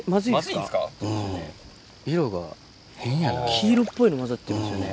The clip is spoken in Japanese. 黄色っぽいの交ざってますよね